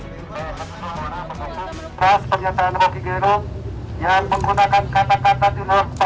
pas pernyataan rocky gerung yang menggunakan kata kata di luar pantasan